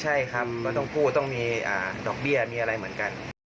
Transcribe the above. ใช่ครับเราต้องกู้ต้องมีดอกเบี้ยมีอะไรเหมือนกัน